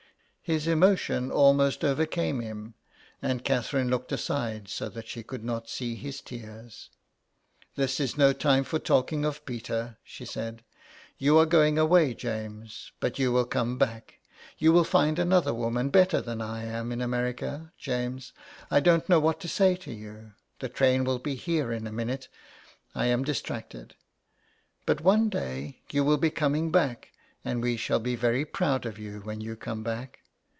His emotion almost overcame him, and Catherine looked aside so that she should not see his tears. *' This is no time for talking of Peter/' she said. *'You are going away, James, but you will come back. You will find another woman better than I am in America, James. I don't know what to say to you. The train will be here in a minute. I am distracted. But one day you will be coming back, and we shall be very proud of you when you come back.